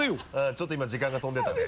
ちょっと今時間が飛んでたね。